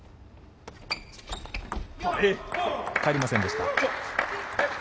返りませんでした。